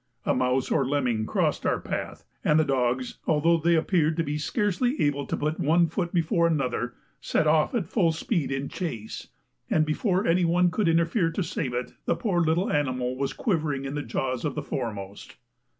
A mouse or lemming crossed our path, and the dogs, although they appeared to be scarcely able to put one foot before another, set off at full speed in chase, and before any one could interfere to save it, the poor little animal was quivering in the jaws of the foremost.